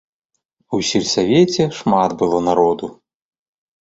У сельсавеце шмат было народу.